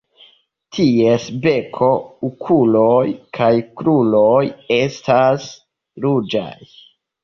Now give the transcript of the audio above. Ties beko, okuloj kaj kruroj estas ruĝaj.